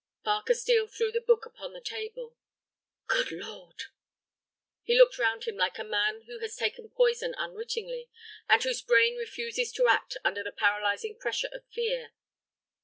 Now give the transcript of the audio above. Parker Steel threw the book upon the table. "Good Lord!" He looked round him like a man who has taken poison unwittingly, and whose brain refuses to act under the paralyzing pressure of fear.